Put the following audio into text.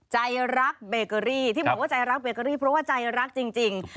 ใจรักเบเกอรี่ที่บอกว่าใจรักเบเกอรี่เพราะว่าใจรักจริง